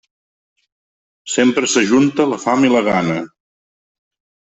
Sempre s'ajunta la fam i la gana.